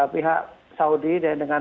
pihak saudi dan dengan